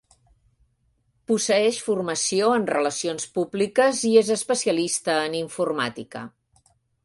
Posseeix formació en relacions públiques i és especialista en informàtica.